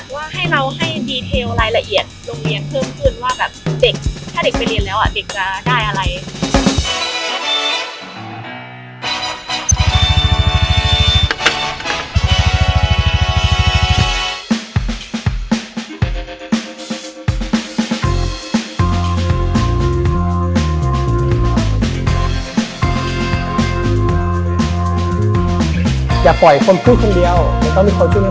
ว่าให้เราให้รายละเอียดโรงเรียนเพิ่มขึ้นว่า